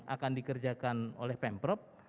akan dikerjakan oleh pemprov